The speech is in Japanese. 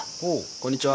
こんにちは。